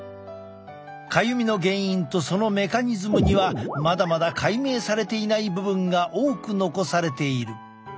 かゆみの原因とそのメカニズムにはまだまだ解明されていない部分が多く残されている。